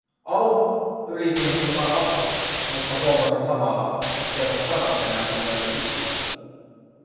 "Aup", yritin huutaa apua, mutta huomasin samalla, etteivät sanat enää tulleet suustani.